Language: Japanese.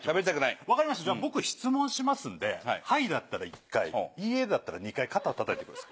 分かりましたじゃ僕質問しますんで「はい」だったら１回「いいえ」だったら２回肩叩いてください。